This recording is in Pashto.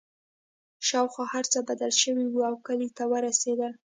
شاوخوا هرڅه بدل شوي وو او کلي ته ورسېدل